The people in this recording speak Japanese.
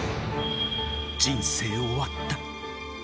人生終わった。